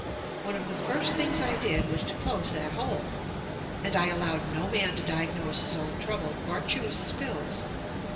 One of the first things I did was to close that hole; and I allowed no man to diagnose his own trouble or choose his pills.